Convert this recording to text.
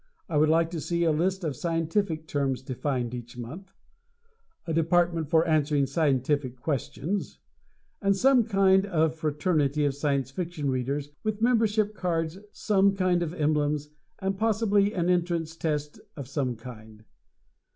I would like to see a list of scientific terms defined each month; a department for answering scientific questions; and some kind of fraternity of Science Fiction Readers with membership cards, some kind of emblems, and possibly an entrance test of some kind.